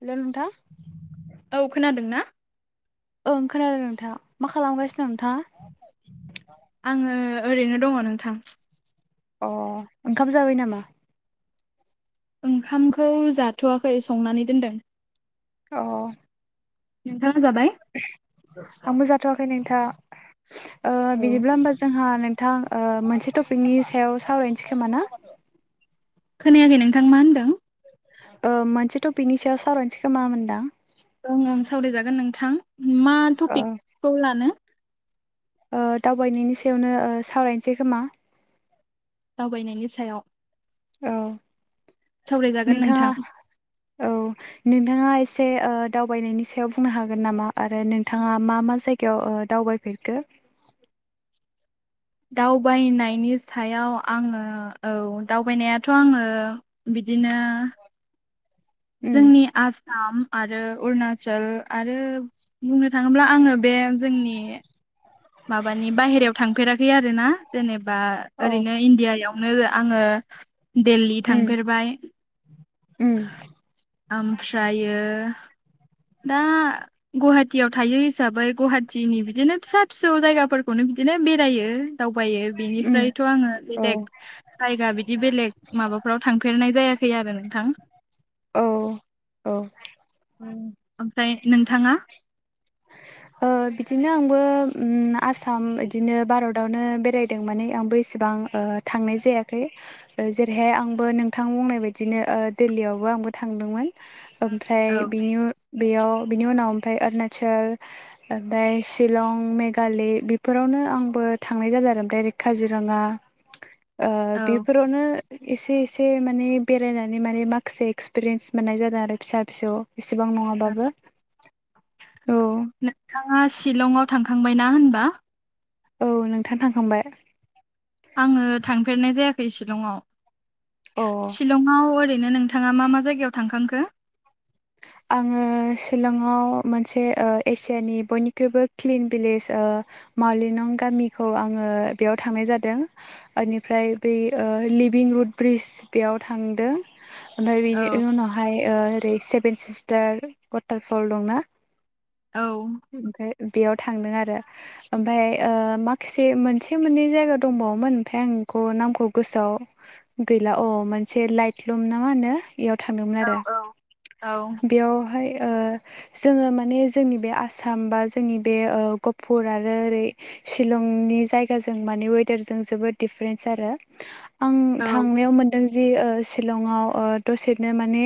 हेल' नोंथां औ खोनादों ना? ओं खोनादों नोंथाङा मा खालामगासिनो नोंथां? आङो ओरैनो दङ नोंथां। अ ओंखाम जाबाय नामा? ओंखामखौ जाथ'वाखै संनानै दोनदों। अ नोंथाङा जाबाय? आंबो जाथ'वाखै नोंथां ओ औ बिदिब्ला ओमबा जोंहा नोंथां मोनसे टपिकनि सायाव सावरायनोसै खोमा ना? खोनायाखै नोंथां मा होनदों? ओ मोनसे टपिकनि सायाव सावरायनिसै खोमा होनदों आं। ओं ओं सावरायजागोन नोंथां मा ओ टपिकखौ लानो? ओ दावबायनायनि सायावनो सावरायनोसै खोमा? दावबायनायनि सायाव औ सावरायजागोन नोंथाङा नोंथां। औ नोंथाङा एसे ओ दावबायनायनि सायाव बुंनो हागोन नामा आरो नोंथाङा मा मा जाय गायाव दावबायफेरखो? दावबायनायनि सायाव आङो औ दावबायनायाथ' आङो बिदिनो उम जोंनि आ साम आरो अरुणाचल आरो बुंनो थाङोब्ला आङो बे जोंनि माबानि बायेरायाव थांफेराखै आरो ना जेनेबा औ ओरैनो इण्डियायाव यावनो आङो दिल्ली उम थांफेरबाय। उम ओमफ्रायो ‌ [inaudible] दा गुवाहाटियाव थायो हिसाबै गुवाहाटिनि बिदिनो फिसा फिसौ जायगाफोरखौनो बिदिनो बेरायो। दावबायो उम बिनिफ्रायथ' आङो औ बेलेग जायगा बिदि बेलेग माबाफ्राव थांफेरनाय जाया खै नोंथां औ औ ओमफ्राय नोंथाङा बिदिनो आंबो आसाम बिदिनो भारतावनो बेरायदों माने आंबो बेसेबां थांनाय जायाखै जेरैहाय आंबो नोंथां बुंनाय बायदिनो दिल्लीयाव आंबो थांदोंमोन ओमफ्राय औ बेयाव बिनि उनाव ओमफ्राय अरुणाचल ओमफ्राय शिलं मेघालय बेफोरावनो आंबो थांनाय जादों आरो ओमफ्राय काजिरङा औ बेफोरावनो एसे एसे माने बेरायनानै माने माखासे एक्सपिरियेन्स मोननाय जादों आरो फिसा फिसौ एसेबां नङाबाबो औ नोंथाङा शिलंआव थांखांबायना होनबा औ नोंथाङा थांखांबाय आङो थांफेरनाय जायाखै शिलंआव अ शिलंआव ओरैनो नोंथाङा मा मा जायगायाव थांखांखो? द [unintelligible] आङो शिलंआव मोनसे एसियानि बयनिख्रुइबो क्लिन भिलेज मावलिनं गामिखौ आङो बेयाव थांनाय जादों बेनिफ्राय ब लिभिं रुद ब्रिज बेयाव थांदों। ओमफ्राय बेनि औ उनावहाय ओरै सेभेन सिस्टार अवाटार फल दंना। औ ओमफ्राय बेयाव थांदों आरो ओमफफ्राय माखासे मोनसे मोननै जायगा दंबावोमोन। ओमफ्राय आं नोंखौ नामखौ गोसोआव गैला अ मोनसे लाइट लुम ना मा होनो बेयाव थांदोंमोन आरो औ बेयावहाय जोङो माने जोंनि बे आसाम बा जोंनि बे गफुर आरो ओरै शिलंनि जायगाजों माने वेदारजों जोबोद दिडिफारेन्स आरो। आं औ थांनायाव मोनदों जि शिलंआव दसेनो माने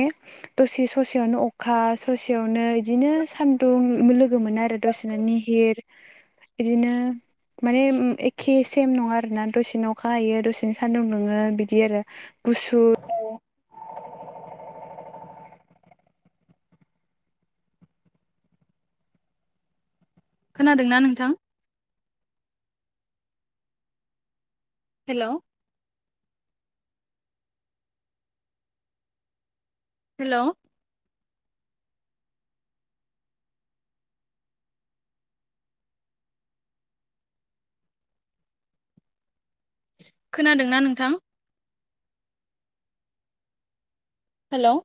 दसे ससेयावनो अखा ससेयावनो बिदिनो सान्दुं लोगो मोनो आरो दसेनो निहिर बिदिनो माने एखे सेम नङा आरोना दसेनो अखा हायो दसेनो सानदुं दुङो बिदि आरो गुसु खोनादोंना नोंथां हेल' हेल' खोनादोंना नोंथां हेल'